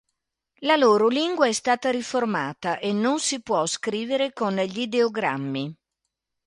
La loro lingua è stata riformata e non si può scrivere con gli ideogrammi.